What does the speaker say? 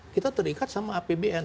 kita terikat sama apbn